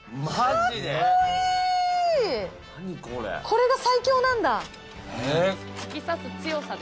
これが最強なんだ。